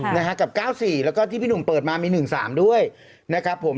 นะฮะกับเก้าสี่แล้วก็ที่พี่หนุ่มเปิดมามี๑๓ด้วยนะครับผม